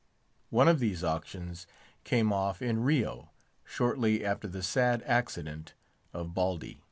One of these auctions came off in Rio, shortly after the sad accident of Baldy.